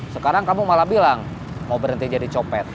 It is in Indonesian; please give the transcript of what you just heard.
sekarang kamu malah bilang mau berhenti jadi copet